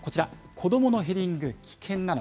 子どものヘディング危険なの？